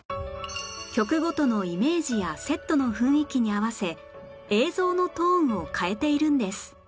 曲ごとのイメージやセットの雰囲気に合わせ映像のトーンを変えているんです